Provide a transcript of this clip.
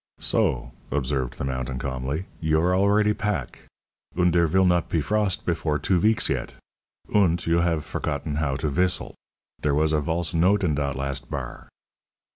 "So," observed the mountain calmly, "You are already pack. Und dere vill not pe frost before two veeks yet! Und you haf forgotten how to vistle. Dere was a valse note in dot last bar."